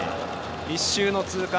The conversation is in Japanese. １周の通過